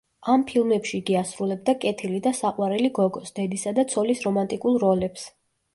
ამ ფილმებში იგი ასრულებდა კეთილი და საყვარელი გოგოს, დედისა და ცოლის რომანტიკულ როლებს.